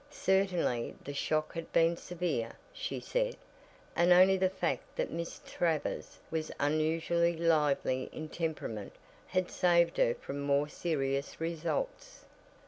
Certainly the shock had been severe, she said, and only the fact that Miss Travers was unusually lively in temperament had saved her from more serious results.